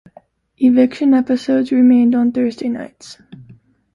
Eviction episodes remained on Thursday nights.